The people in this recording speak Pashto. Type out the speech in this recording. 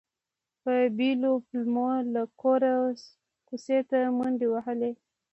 په بېلو پلمو له کوره کوڅې ته منډې وهلې.